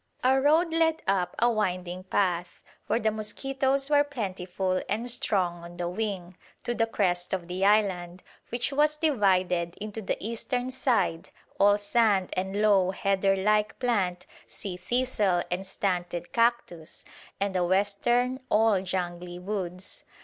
Our road led up a winding path, where the mosquitoes were "plentiful and strong on the wing," to the crest of the island, which was divided into the eastern side, all sand and low heather like plant, sea thistle and stunted cactus; and the western, all jungly woods.